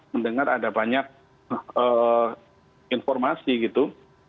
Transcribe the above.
mendengar ada banyak informasi gitu